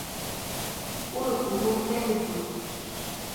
Uruku mombe'upy